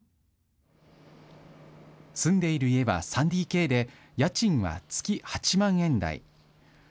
住んでいる家は３ＤＫで家賃は月８万円台。